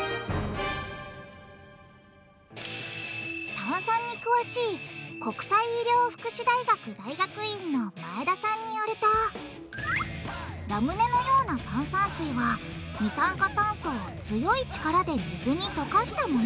炭酸に詳しい国際医療福祉大学大学院の前田さんによるとラムネのような炭酸水は二酸化炭素を強い力で水に溶かしたもの。